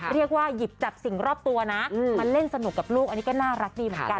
เรียกว่าหยิบจับสิ่งรอบตัวนะมาเล่นสนุกกับลูกอันนี้ก็น่ารักดีเหมือนกัน